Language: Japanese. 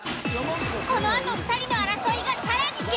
このあと２人の争いが更に激化！